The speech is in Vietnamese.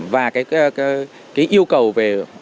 và cái yêu cầu về